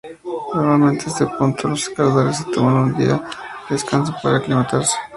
Normalmente en este punto, los escaladores se toman un día de descanso para aclimatarse.